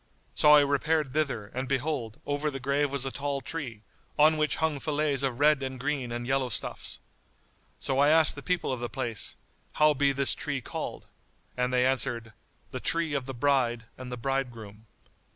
So I repaired thither, and, behold, over the grave was a tall tree, on which hung fillets of red and green and yellow stuffs.[FN#93] So I asked the people of the place, "How be this tree called?"; and they answered, "The tree of the Bride and the Bridegroom."